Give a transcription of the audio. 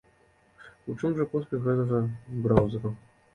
У чым жа поспех гэтага браўзэру?